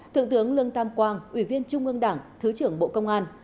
thượng tướng lương tam quang ủy viên trung ương đảng thứ trưởng bộ công an